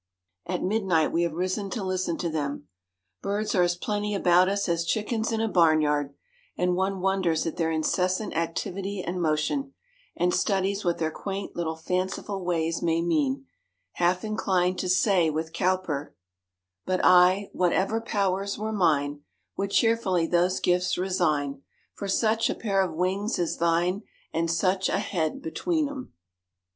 At midnight we have risen to listen to them. Birds are as plenty about us as chickens in a barnyard; and one wonders at their incessant activity and motion, and studies what their quaint little fanciful ways may mean, half inclined to say with Cowper, "But I, whatever powers were mine, Would cheerfully those gifts resign For such a pair of wings as thine, And such a head between 'em."